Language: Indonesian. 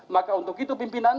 maka untuk itu pimpinan